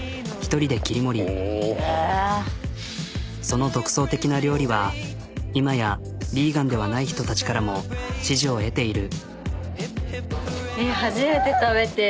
その独創的な料理は今やヴィーガンではない人たちからも支持を得ている。